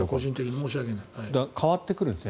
変わってくるんですね